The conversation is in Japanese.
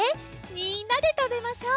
みんなでたべましょう！